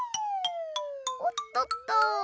おっとっと。